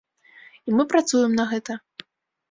І мы працуем на гэта.